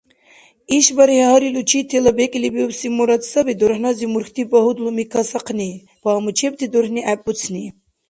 ИшбархӀи гьарил учителла бекӀлибиубси мурад саби дурхӀнази мурхьти багьудлуми касахъни, пагьмучебти дурхӀни гӀеббуцни.